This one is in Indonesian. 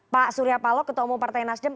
pak surya paloh ketua umum partai nasdem